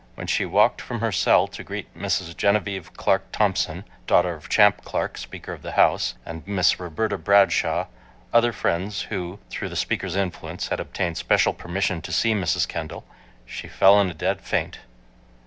When she walked from her cell to greet Mrs. Genevieve Clark Thompson, daughter of Champ Clark, Speaker of the House, and Miss Roberta Bradshaw, other friends, who, through the Speaker's influence, had obtained special permission to see Mrs. Kendall, she fell in a dead faint.